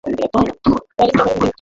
কোয়ালিস্টরা কখনো বিরক্ত হয় না।